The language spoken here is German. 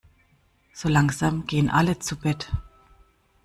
So langsam gehen alle zu Bett.